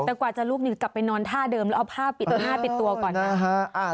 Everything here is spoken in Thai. แต่กว่าจะลุกนี่กลับไปนอนท่าเดิมแล้วเอาผ้าปิดผ้าปิดตัวก่อนนะ